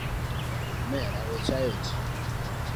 Omera we chayo ji.